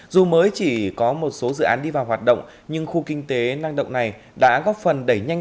dù mới chỉ có một số dự án đi vào hoạt động nhưng khu kinh tế năng động này đã góp phần đẩy nhanh